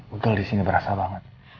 betul di sini berasa banget